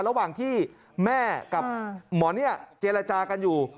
ระหว่างที่แม่กับหมอเนี่ยเจรจากันอยู่